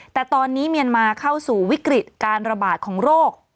แต่ตอนนี้เมียนมาเข้าสู่วิกฤตการระบาดของโรค